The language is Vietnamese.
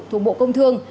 thủng bộ công thương